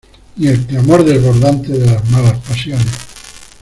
Ni el clamor desbordante de las malas pasiones.